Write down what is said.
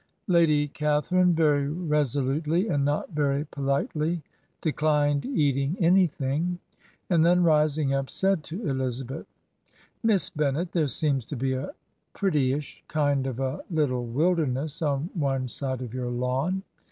" Lady Catharine very resolutely, and not very po litely, declined eating an3rthing, and then, rising up, said to Elizabeth: 'Miss Bennet, there seems to be a prettyish kind of a little wilderness on one side of your lawn.